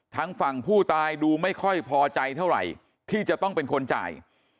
ทางฝั่งผู้ตายดูไม่ค่อยพอใจเท่าไหร่ที่จะต้องเป็นคนจ่าย